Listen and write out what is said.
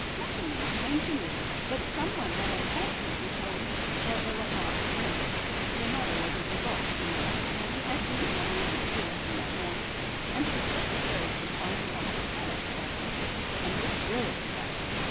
"Nothing intentionally, but some one had unfortunately told him that they were half French—their mother was a Duboc, you know—and he had been having a history lesson that morning, and had just heard of the final loss of Calais by the English, and was furious about it.